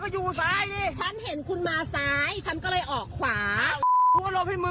เข้าใจว่าคุณมาซ้ายไหม